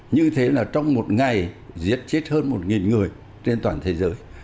như thế là trong một ngày giết chết hơn một người trên toàn thế giới